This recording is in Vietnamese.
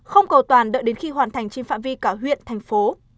không cầu toàn đợi đến khi hoàn thành trên phạm vi cả huyện thành phố